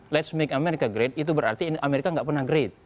let's make america great itu berarti amerika tidak pernah great